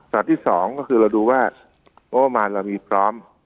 ที่สองก็คือเราดูว่างบประมาณเรามีพร้อม